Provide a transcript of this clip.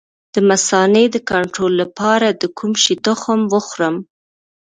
د مثانې د کنټرول لپاره د کوم شي تخم وخورم؟